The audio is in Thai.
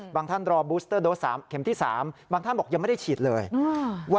บางท่านบอก๒เข็มแล้ว